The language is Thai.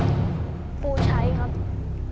ขอเชิญปูชัยมาตอบชีวิตเป็นคนต่อไปครับ